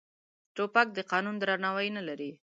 توپک د قانون درناوی نه لري.